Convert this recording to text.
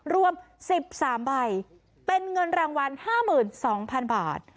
รวมสิบสามใบเป็นเงินรางวัลห้าหมื่นสองพันบาท